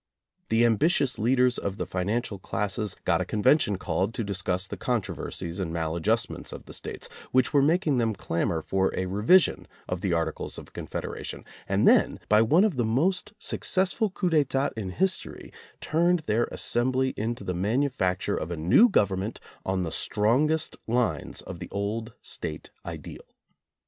The ambitious leaders of the financial classes got a convention called to discuss the controversies and maladjust ments of the States, which were making them clamor for a revision of the Articles of Confedera tion, and then, by one of the most successful coups d'etat in history, turned their assembly into the manufacture of a new government on the strongest lines of the old State ideal.